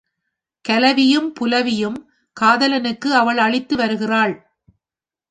கலவியும் புலவியும் காதலனுக்கு அவள் அளித்து வருகிறாள்.